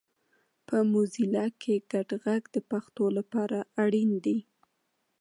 په موزیلا کې ګډ غږ د پښتو لپاره اړین دی